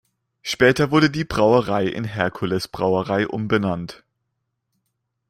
Später wurde die Brauerei in Herkules-Brauerei umbenannt.